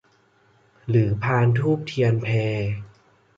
หรือพานธูปเทียนแพ